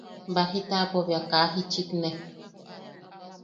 Baji taʼapo bea kaa jitchikné.